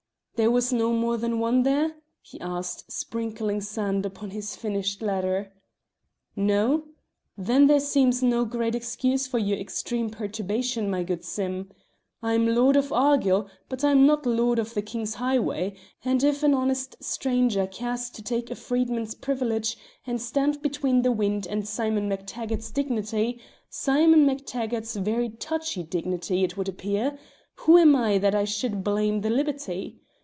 "There was no more than one there?" he asked, sprinkling sand upon his finished letter. "No! Then there seems no great excuse for your extreme perturbation, my good Sim. I'm lord of Argyll, but I'm not lord of the king's highway, and if an honest stranger cares to take a freeman's privilege and stand between the wind and Simon MacTaggart's dignity Simon MacTaggart's very touchy dignity, it would appear who am I that I should blame the liberty?